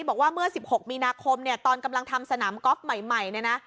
บอกว่าเมื่อ๑๖มีนาคมเนี่ยตอนกำลังทำสนามกอล์ฟใหม่เนี่ยนะ